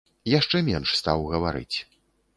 Яшчэ менш стаў гаварыць.